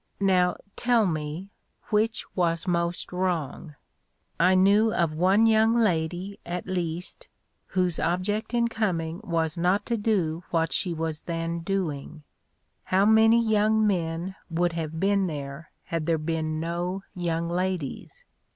Now, tell me, which was most wrong? I knew of one young lady, at least, whose object in coming was not to do what she was then doing. How many young men would have been there had there been no young ladies?